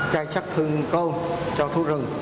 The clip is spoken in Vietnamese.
chai sắc thương câu cho thú rừng